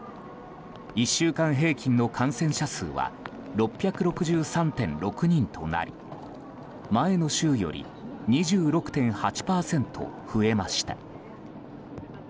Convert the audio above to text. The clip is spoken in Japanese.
１週間平均の感染者数は６６３．６人となり前の週より２６．８％増えました。